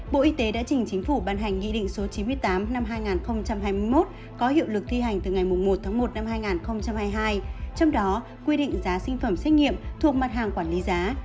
bộ y tế đã trình chính phủ ban hành nghị định số chín mươi tám năm hai nghìn hai mươi một có hiệu lực thi hành từ ngày một tháng một năm hai nghìn hai mươi hai trong đó quy định giá sinh phẩm xét nghiệm thuộc mặt hàng quản lý giá